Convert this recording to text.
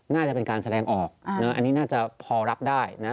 น่าจะเป็นการแสดงออกอันนี้น่าจะพอรับได้นะ